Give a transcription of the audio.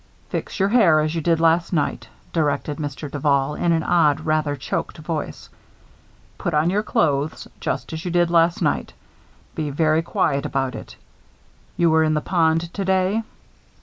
"Fix your hair as you did last night," directed Mr. Duval, in an odd, rather choked voice. "Put on your clothes, just as you did last night. Be very quiet about it. You were in the Pond today?"